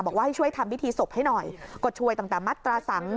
บอกว่าให้ช่วยทำพิธีศพให้หน่อยก็ช่วยตั้งแต่มัตราสัง